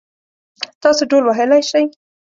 تاسو ډهول وهلی شئ؟